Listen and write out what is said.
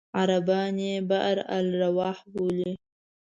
عربان یې بئر الأرواح بولي.